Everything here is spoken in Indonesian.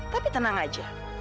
tapi tenang aja